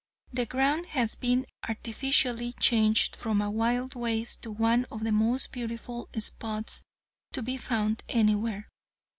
The ground has been artificially changed from a wild waste to one of the most beautiful spots to be found anywhere.